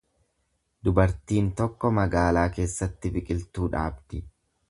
Dubartiin tokko magaalaa keessatti biqiltuu dhaabdi.